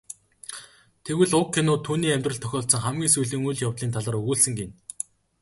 Тэгвэл уг кино түүний амьдралд тохиолдсон хамгийн сүүлийн үйл явдлын талаар өгүүлсэн гэнэ.